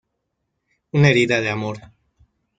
Una herida de amor